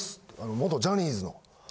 元ジャニーズの。